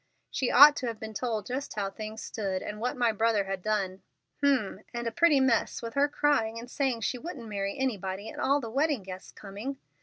She ought to have been told just how things stood, and what my brother had done." "H'm! And had a pretty mess, with her crying and saying she wouldn't marry anybody, and all the wedding guests coming?